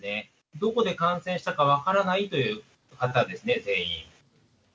どこで感染したか分からないという方ですね、全員。